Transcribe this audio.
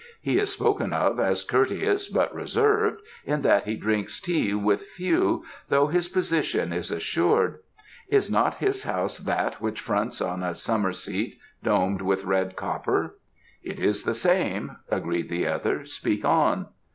"He is spoken of as courteous but reserved, in that he drinks tea with few though his position is assured. Is not his house that which fronts on a summer seat domed with red copper?" "It is the same," agreed the other. "Speak on."